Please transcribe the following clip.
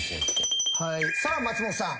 さあ松本さん。